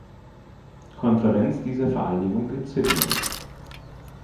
Konferenz dieser Vereinigung in Sydney.